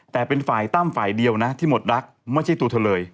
แต่เป็นฝ่ายตั้มฝ่ายเดียวนะที่หมดรักไม่ใช่ตัวเธอเลย